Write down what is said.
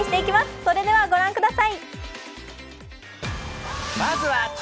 それではご覧ください。